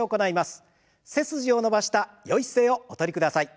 背筋を伸ばしたよい姿勢をお取りください。